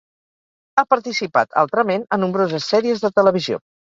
Ha participat, altrament, a nombroses sèries de televisió.